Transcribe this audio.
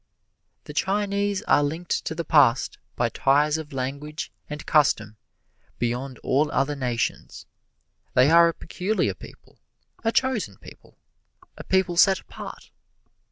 The Chinese are linked to the past by ties of language and custom beyond all other nations. They are a peculiar people, a chosen people, a people set apart.